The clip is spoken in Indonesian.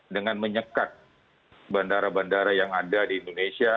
dengan menyekat bandara bandara yang ada di indonesia